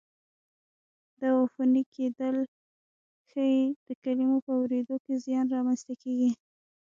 دا عفوني کېدل ښایي د کلمو په اورېدو کې زیان را منځته کړي.